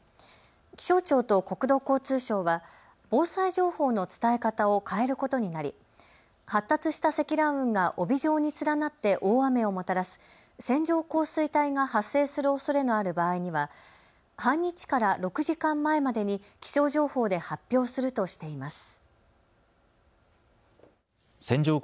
気象庁と国土交通省は防災情報の伝え方を変えることになり発達した積乱雲が帯状に連なって大雨をもたらす線状降水帯が発生するおそれのある場合には半日から６時間前までに気象情報で発表するとしています。